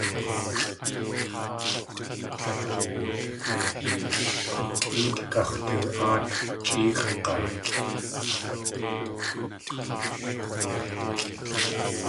K̲ukʼéetʼ gax̲too.áat chʼeex̲ʼg̲aa.